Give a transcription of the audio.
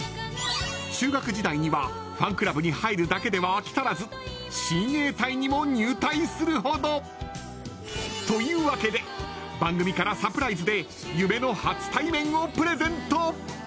中学時代にはファンクラブに入るだけでは飽き足らず親衛隊にも入隊するほど。というわけで番組からサプライズで夢の初体面をプレゼント。